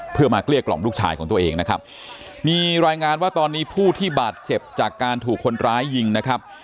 เพื่อมาเกลี้ยกล่อมลูกชายของตัวเองนะครับมีรายงานว่าตอนนี้ผู้ที่บาดเจ็บจากการถูกคนร้ายยิงนะครับ